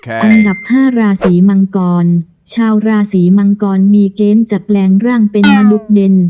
อันดับ๕ราศีมังกรชาวราศีมังกรมีเกณฑ์จะแปลงร่างเป็นมนุษย์เด่น